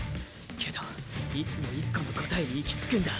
けどいつも１個の答えに行き着くんだ。